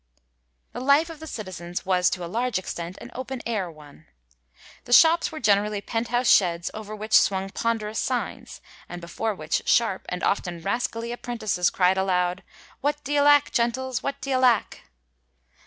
'^ The life of the citizens was to a large extent an open air one. The shops were generally penthouse sheds over which swung ponderous signs, and before which sharp, and often rascally, apprentices cried aloud, • What d'ye lack, gentles ? what d'ye lack